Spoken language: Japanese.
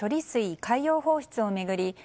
水海洋放出を巡り